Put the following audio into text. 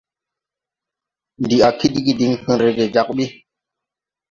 Ndi a kidgi diŋ fen rege jag ɓi.